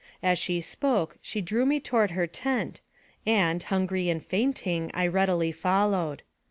As she spoke, she drew me toward her tent, and, hungry and fainting, I readily followed.